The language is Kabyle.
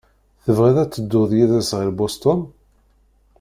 Tebɣiḍ ad tedduḍ yid-s ɣer Boston?